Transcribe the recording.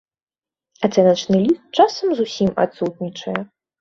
Ацэначны ліст часам зусім адсутнічае.